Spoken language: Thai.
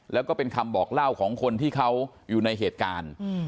แล้วก็เป็นคำบอกเล่าของคนที่เขาอยู่ในเหตุการณ์